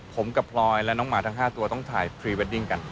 ผมกับพลอยและน้องหมาทั้ง๕ตัวต้องถ่ายพรีเวดดิ้งกัน